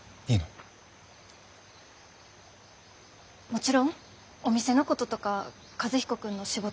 もちろんお店のこととか和彦君の仕事のこと